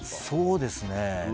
そうですね。